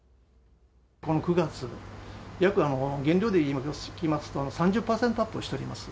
この９月、原料でいいますと、３０％アップをしております。